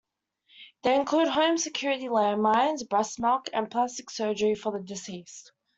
They include home security land mines, breast milk, and plastic surgery for the deceased.